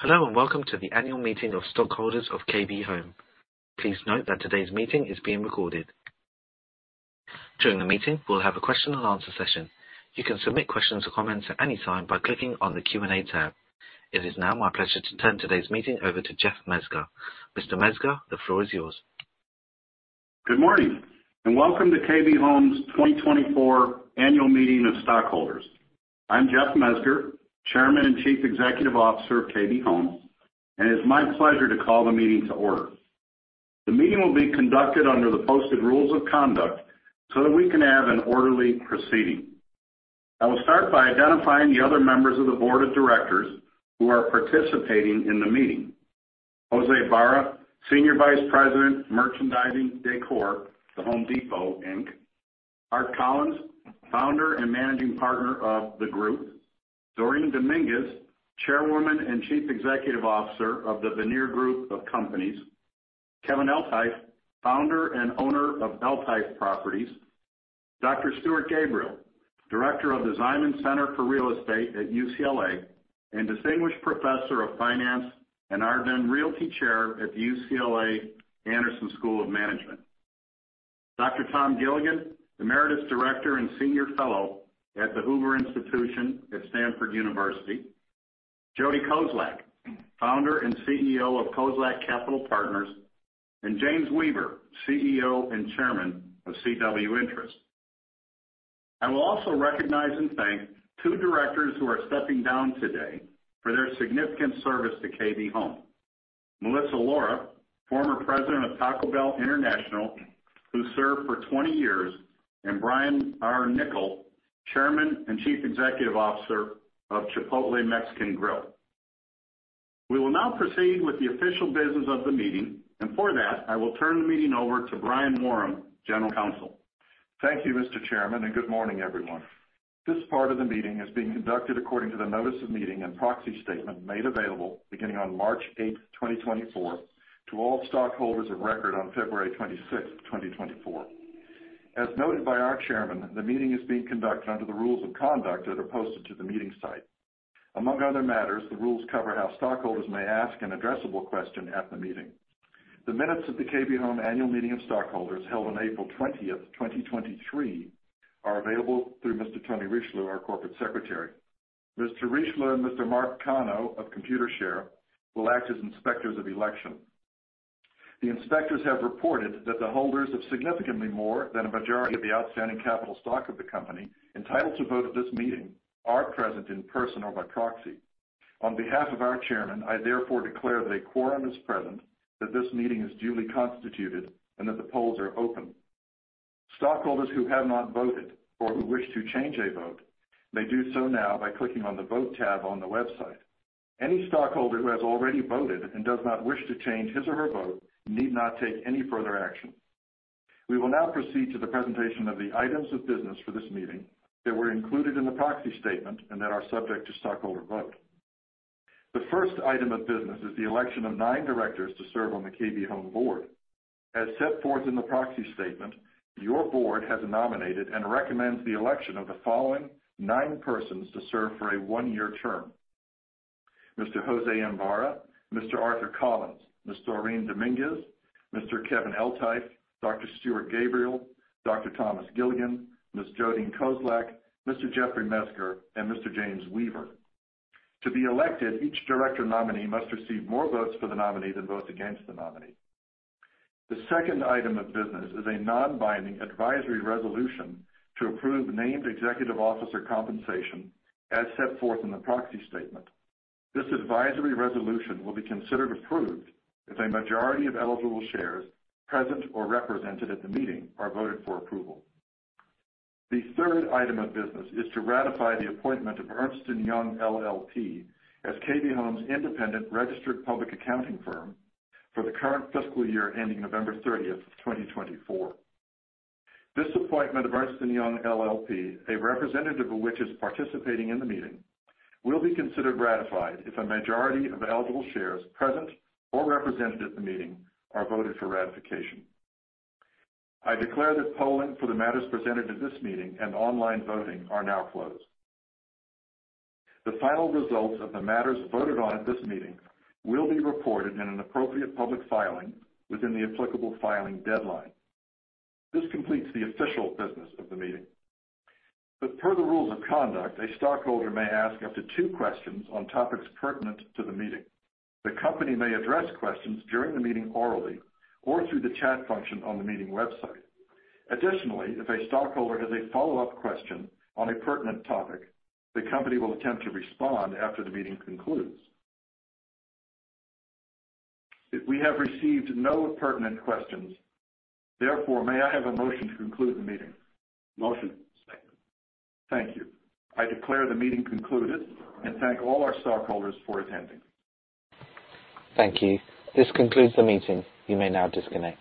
Hello, and welcome to the annual meeting of stockholders of KB Home. Please note that today's meeting is being recorded. During the meeting, we'll have a question and answer session. You can submit questions or comments at any time by clicking on the Q&A tab. It is now my pleasure to turn today's meeting over to Jeff Mezger. Mr. Mezger, the floor is yours. Good morning, and welcome to KB Home's 2024 annual meeting of stockholders. I'm Jeff Mezger, Chairman and Chief Executive Officer of KB Home, and it's my pleasure to call the meeting to order. The meeting will be conducted under the posted rules of conduct so that we can have an orderly proceeding. I will start by identifying the other members of the board of directors who are participating in the meeting. Jose Barra, Senior Vice President, Merchandising, Decor, The Home Depot, Inc. Art Collins, Founder and Managing Partner of theGroup. Doreen Dominguez, Chairwoman and Chief Executive Officer of the Vanir Group of Companies. Kevin Eltife, founder and owner of Eltife Properties. Dr. Stuart Gabriel, Director of the Ziman Center for Real Estate at UCLA, and Distinguished Professor of Finance and Arden Realty Chair at the UCLA Anderson School of Management. Dr. Tom Gilligan, Emeritus Director and Senior Fellow at the Hoover Institution at Stanford University. Jody Kozlak, Founder and CEO of Kozlak Capital Partners, and James Weaver, CEO and Chairman of CW Interests. I will also recognize and thank two directors who are stepping down today for their significant service to KB Home. Melissa Lora, former President of Taco Bell International, who served for 20 years, and Brian R. Niccol, Chairman and Chief Executive Officer of Chipotle Mexican Grill. We will now proceed with the official business of the meeting, and for that, I will turn the meeting over to Brian Woram, General Counsel. Thank you, Mr. Chairman, and good morning, everyone. This part of the meeting is being conducted according to the notice of meeting and proxy statement made available beginning on March 8th, 2024, to all stockholders of record on February 26th, 2024. As noted by our chairman, the meeting is being conducted under the rules of conduct that are posted to the meeting site. Among other matters, the rules cover how stockholders may ask an addressable question at the meeting. The minutes of the KB Home Annual Meeting of Stockholders, held on April 20th, 2023, are available through Mr. Tony Richelieu, our corporate secretary. Mr. Richelieu and Mr. Mark Cano of Computershare will act as inspectors of election. The inspectors have reported that the holders of significantly more than a majority of the outstanding capital stock of the company, entitled to vote at this meeting, are present in person or by proxy. On behalf of our chairman, I therefore declare that a quorum is present, that this meeting is duly constituted, and that the polls are open. Stockholders who have not voted or who wish to change a vote, may do so now by clicking on the Vote tab on the website. Any stockholder who has already voted and does not wish to change his or her vote need not take any further action. We will now proceed to the presentation of the items of business for this meeting that were included in the proxy statement and that are subject to stockholder vote. The first item of business is the election of nine directors to serve on the KB Home board. As set forth in the proxy statement, your board has nominated and recommends the election of the following nine persons to serve for a one-year term: Mr. Jose Barra, Mr. Arthur Collins, Ms. Doreen Dominguez, Mr. Kevin Eltife, Dr. Stuart Gabriel, Dr. Thomas Gilligan, Ms. Jody Kozlak, Mr. Jeffrey Mezger, and Mr. James Weaver. To be elected, each director nominee must receive more votes for the nominee than votes against the nominee. The second item of business is a non-binding advisory resolution to approve named executive officer compensation as set forth in the proxy statement. This advisory resolution will be considered approved if a majority of eligible shares, present or represented at the meeting, are voted for approval. The third item of business is to ratify the appointment of Ernst & Young LLP as KB Home's independent registered public accounting firm for the current fiscal year, ending November 30th, 2024. This appointment of Ernst & Young LLP, a representative of which is participating in the meeting, will be considered ratified if a majority of eligible shares, present or represented at the meeting, are voted for ratification. I declare that polling for the matters presented at this meeting and online voting are now closed. The final results of the matters voted on at this meeting will be reported in an appropriate public filing within the applicable filing deadline. This completes the official business of the meeting. But per the rules of conduct, a stockholder may ask up to two questions on topics pertinent to the meeting. The company may address questions during the meeting orally or through the chat function on the meeting website. Additionally, if a stockholder has a follow-up question on a pertinent topic, the company will attempt to respond after the meeting concludes. We have received no pertinent questions. Therefore, may I have a motion to conclude the meeting? Motion. Thank you. I declare the meeting concluded and thank all our stockholders for attending. Thank you. This concludes the meeting. You may now disconnect.